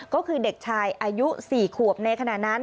ก็คือเด็กชายอายุ๔ขวบในขณะนั้น